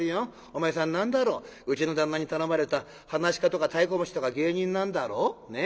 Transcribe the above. お前さん何だろうちの旦那に頼まれた噺家とか太鼓持ちとか芸人なんだろ？ね？